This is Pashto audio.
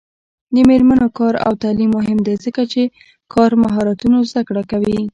د میرمنو کار او تعلیم مهم دی ځکه چې کار مهارتونو زدکړه کوي.